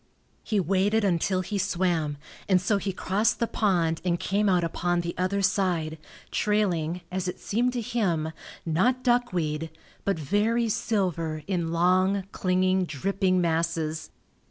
He waded until he swam, and so he crossed the pond and came out upon the other side, trailing, as it seemed to him, not duckweed, but very silver in long, clinging, dripping masses.